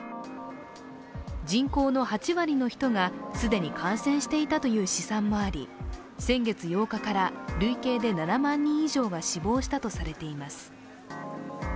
人口の８割の人が既に感染していたという試算もあり先月８日から累計で７万人以上が死亡したとされています。